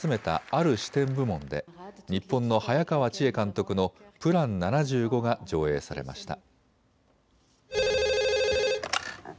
ある視点部門で日本の早川千絵監督のＰＬＡＮ７５が上映されました。